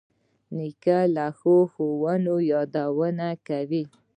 نیکه له ښو ښوونو یادونه کوي.